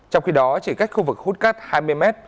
trong khi đó chỉ cách khu vực hút cát hai mươi m